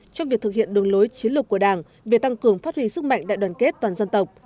trong việc thực hiện đường lối chiến lược của đảng về tăng cường phát huy sức mạnh đại đoàn kết toàn dân tộc